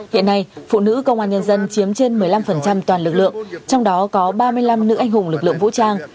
hiện nay phụ nữ công an nhân dân chiếm trên một mươi năm toàn lực lượng trong đó có ba mươi năm nữ anh hùng lực lượng vũ trang